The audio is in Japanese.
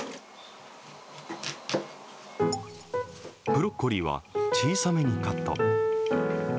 ブロッコリーは小さめにカット。